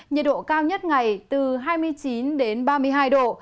nhiệt độ cao nhất ngày từ hai mươi chín ba mươi hai độ